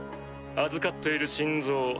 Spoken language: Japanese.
預かっている心臓